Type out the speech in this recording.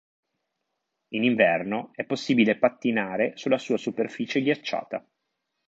In inverno è possibile pattinare sulla sua superficie ghiacciata.